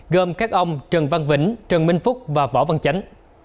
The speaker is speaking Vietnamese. gồm các ông trần văn vĩnh trần minh phúc và võ văn chánh